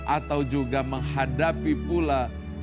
atau juga menghadapi pula